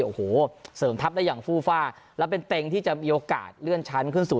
โอ้โหเสริมทัพได้อย่างฟูฟ่าแล้วเป็นเต็งที่จะมีโอกาสเลื่อนชั้นขึ้นสู่